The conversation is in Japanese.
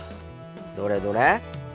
どれどれ？